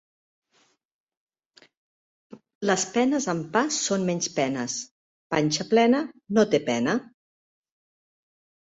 Les penes amb pa són menys penes. Panxa plena no té pena.